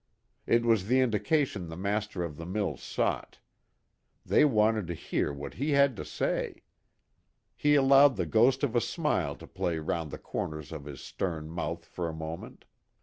It was the indication the master of the mills sought. They wanted to hear what he had to say. He allowed the ghost of a smile to play round the corners of his stern mouth for a moment.